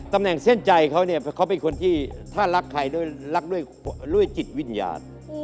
ตำแหน่งเส้นใจเขาเนี่ยเขาเป็นคนที่ถ้ารักใครด้วยรักด้วยจิตวิญญาณ